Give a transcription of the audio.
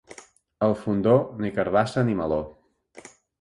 Al Fondó, ni carabassa ni meló.